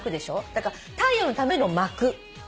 だから太陽のための幕。